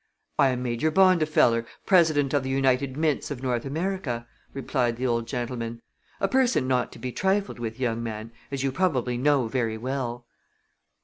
"I am Major Bondifeller, president of the United Mints of North America," replied the old gentleman. "A person not to be trifled with, young man, as you probably know very well."